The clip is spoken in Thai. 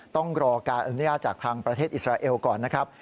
ต้องรอการอนุญาตจากทางประเทศอิสราเอลก่อนนะครับ